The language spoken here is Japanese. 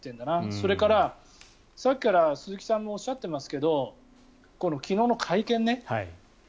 それから、さっきから鈴木さんがおっしゃっていますがこの昨日の会見ね。